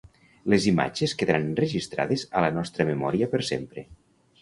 Les imatges quedaran enregistrades a la nostra memòria per sempre.